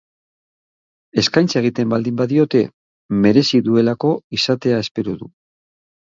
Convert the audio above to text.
Eskaintza egiten baldin badiote merezi duelako izatea espero du.